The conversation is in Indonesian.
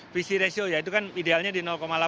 visi ratio ya itu kan idealnya di delapan